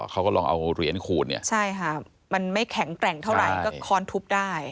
เขาก็ลองเอาเหรียญขูดมันไม่แข็งแกร่งเท่าไหร่ก็คอนทุบได้